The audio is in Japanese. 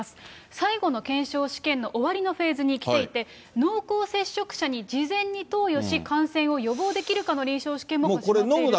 最後の検証試験の終わりのフェーズに来ていて、濃厚接触者に事前に投与し、感染を予防できるかの臨床試験も始まっていると。